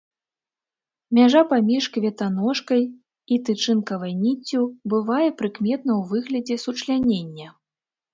Мяжа паміж кветаножкай і тычынкавай ніццю бывае прыкметна ў выглядзе сучлянення.